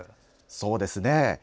そうですね。